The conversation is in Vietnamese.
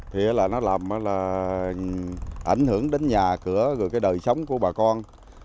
thì là nó làm là ảnh hưởng đến nhà cửa rồi cái đời sống của bà con